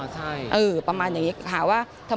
อ๋อใช่พมายอย่างงี้หาว่า